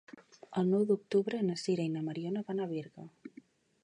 El nou d'octubre na Sira i na Mariona van a Berga.